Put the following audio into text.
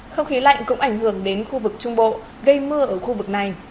không khí lạnh cũng ảnh hưởng đến khu vực trung bộ gây mưa ở khu vực này